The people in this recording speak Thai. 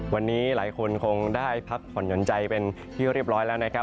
วันนี้หลายคนคงได้พักผ่อนหย่อนใจเป็นที่เรียบร้อยแล้วนะครับ